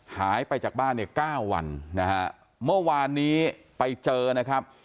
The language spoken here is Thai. หายไปจากบ้านเนี่ยเก้าวันนะฮะเมื่อวานนี้ไปเจอนะครับ